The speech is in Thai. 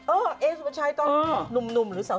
เอ๋เอ๋สุปัชย์ตอนหนุ่มหรือสาว